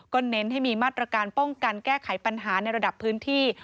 เน้นให้มีมาตรการป้องกันแก้ไขปัญหาในระดับพื้นที่